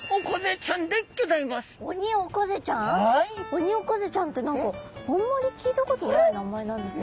オニオコゼちゃんって何かあんまり聞いたことない名前なんですが。